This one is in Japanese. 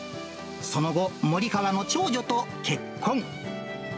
その後、もり川の長女と結婚。